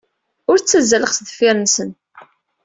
Ur ttazzaleɣ sdeffir-nsen.